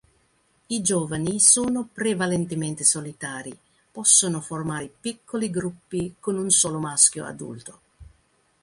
I giovani sono prevalentemente solitari, possono formare piccoli gruppi con un solo maschio adulto.